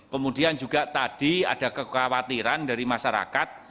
kemudian juga tadi ada kekhawatiran dari masyarakat